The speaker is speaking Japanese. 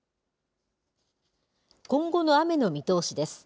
今後の雨の見通しです。